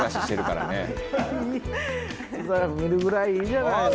それは見るぐらいいいじゃないの。